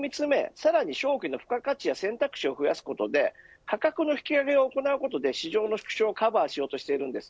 さらに商品の付加価値や選択肢を増やすことで価格の引き上げを行うことで市場の縮小をカバーしようとしているんです。